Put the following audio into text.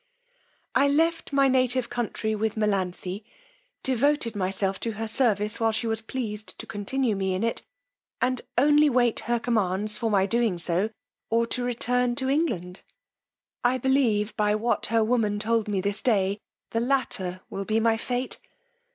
I left my native country with Melanthe, devoted myself to her service while she was pleased to continue me in it, and only wait her commands for my doing so, or to return to England. I believe, by what her woman told me this day, the latter will be my fate.